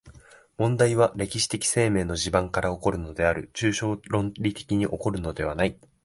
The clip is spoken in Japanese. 問題は歴史的生命の地盤から起こるのである、抽象論理的に起こるのではない。